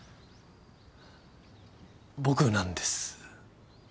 僕なんです。